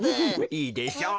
いいでしょう。